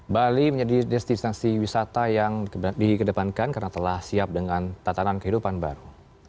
bali menjadi destinasi wisata yang dikedepankan karena telah siap dengan tatanan kehidupan baru